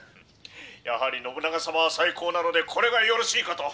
「やはり信長様は最高なのでこれがよろしいかと」。